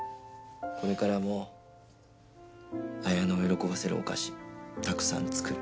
これからもあやのを喜ばせるお菓子たくさん作る。